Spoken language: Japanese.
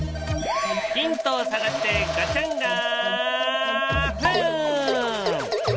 ヒントを探してガチャンガフン！